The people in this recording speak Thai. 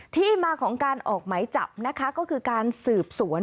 ที่มาของการออกหมายจับนะคะก็คือการสืบสวน